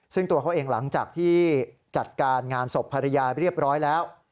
ซึ่งตัวเขาเองหลังจากที่จัดการงานศพภรรยาเรียบร้อยแล้ว